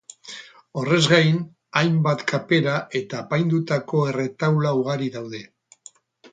Horrez gain, hainbat kapera eta apaindutako erretaula ugari daude.